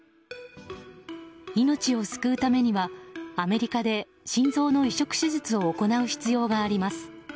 命を救うためにはアメリカで心臓の移植手術を行う必要があります。